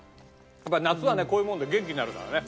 やっぱり夏はねこういうもので元気になるからね。